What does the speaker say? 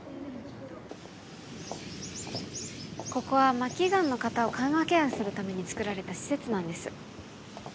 ここは末期がんの方を緩和ケアするために造られた施設なんです